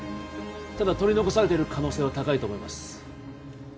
ただ取り残されている可能性は高いと思います